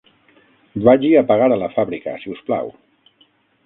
Vagi a pagar a la fàbrica, si us plau.